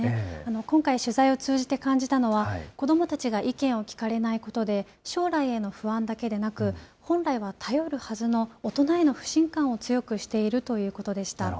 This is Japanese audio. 今回、取材を通じて感じたのは、子どもたちが意見を聴かれないことで、将来への不安だけでなく、本来は頼るはずの大人への不信感を強くしているということでした。